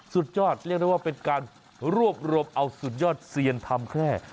สุดยอดเรียกได้ว่าเป็นการรวบรวมเอาสุดยอดเซียนทำแคร่